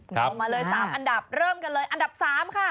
เอามาเลย๓อันดับเริ่มกันเลยอันดับ๓ค่ะ